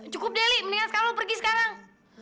cukup deli mendingan sekarang lo pergi sekarang